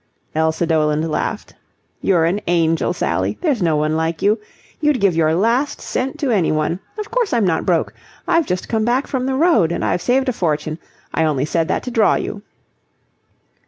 Elsa Doland laughed. "You're an angel, Sally. There's no one like you. You'd give your last cent to anyone. Of course I'm not broke. I've just come back from the road, and I've saved a fortune. I only said that to draw you."